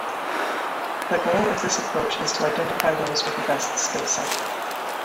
The goal of this approach is to identify those with the best skill set.